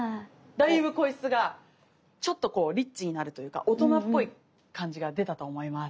だいぶ声質がちょっとこうリッチになるというか大人っぽい感じが出たと思います。